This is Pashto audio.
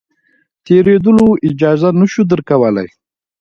تېرېدلو اجازه نه شو درکولای.